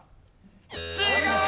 違う！